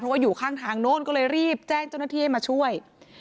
ว่าอยู่ข้างทางโน้นก็เลยรีบแจ้งเจ้าหน้าที่ให้มาช่วย